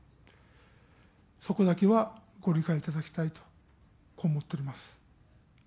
そこだけはご理解いただきたいと、こう思っております。